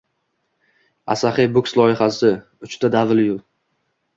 Asaxiy Books loyihasi www